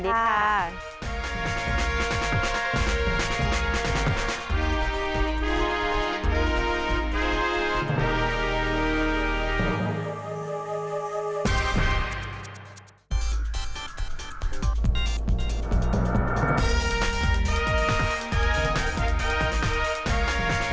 สวัสดีค่ะ